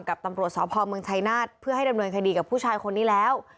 กับตำรวจสพเมืองชัยนาธิ์เพื่อให้ดำเนินคดีกับผู้ชายคนนี้แล้ว